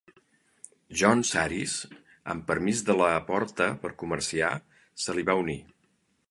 John Saris, amb permís de la Porta per comerciar, se li va unir.